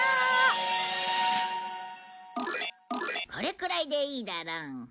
これくらいでいいだろう。